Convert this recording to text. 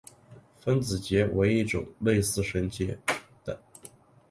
分子结为一种类似绳结的。